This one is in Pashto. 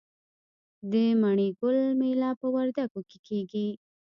د مڼې ګل میله په وردګو کې کیږي.